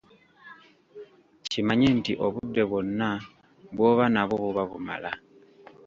Kimanye nti obudde bwonna bw'oba nabwo buba bumala!